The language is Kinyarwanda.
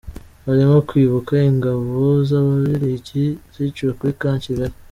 Barimo kwibuka Ingabo z’Ababirigi ziciwe muri Camp Kigali